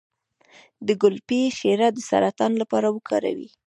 د ګلپي شیره د سرطان لپاره وکاروئ